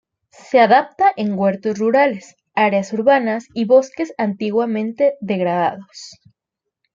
Se adapta en huertos rurales, áreas urbanas y bosques antiguamente degradados.